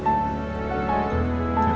aku mau ke sana